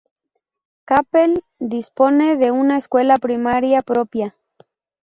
Kappel dispone de una escuela primaria propia.